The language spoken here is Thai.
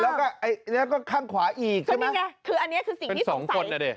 แล้วก็แล้วก็ข้างขวาอีกใช่ไหมคือมีไงคืออันเนี้ยคือสิ่งที่สงสัยเป็นสองคนอ่ะเนี่ย